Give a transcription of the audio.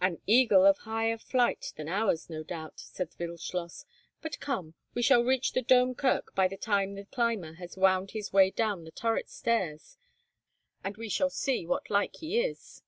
"An eagle of higher flight than ours, no doubt," said Wildschloss. "But come; we shall reach the Dome Kirk by the time the climber has wound his way down the turret stairs, and we shall see what like he is."